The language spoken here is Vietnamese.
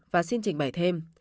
và xin trình bày thêm